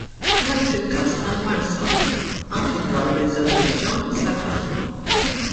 Bħal fil-każ tal-Marsa, anki dwar Birżebbuġa sar ħafna.